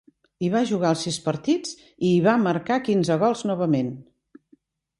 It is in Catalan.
Hi va jugar els sis partits, i hi marcà quinze gols novament.